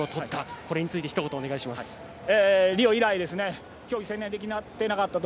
これについてひと言お願いします。